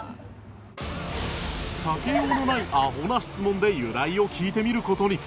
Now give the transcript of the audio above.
避けようのないアホな質問で由来を聞いてみる事に